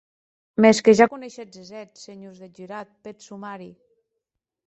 Mès que ja coneishetz es hèts, senhors deth jurat, peth somari.